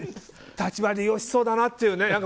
立場を利用しそうだなっていうね。